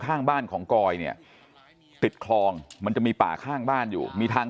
ข้างบ้านของกอยเนี่ยติดคลองมันจะมีป่าข้างบ้านอยู่มีทาง